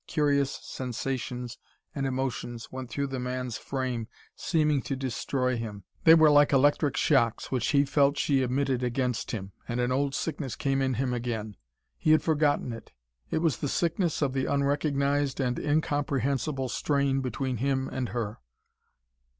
Curious sensations and emotions went through the man's frame seeming to destroy him. They were like electric shocks, which he felt she emitted against him. And an old sickness came in him again. He had forgotten it. It was the sickness of the unrecognised and incomprehensible strain between him and her.